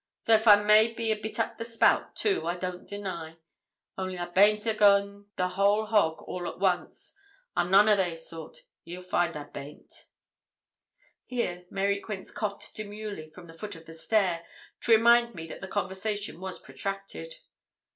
Thof I may be a bit up the spout, too, I don't deny; only I baint agoin' the whole hog all at once. I'm none o' they sort. He'll find I baint.' Here Mary Quince coughed demurely from the foot of the stair, to remind me that the conversation was protracted.